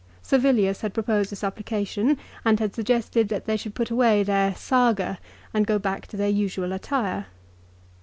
Servilius had proposed a supplication, and had suggested that they should put away their " saga " and go back to their usual attire.